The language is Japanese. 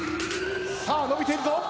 さあ伸びているぞ。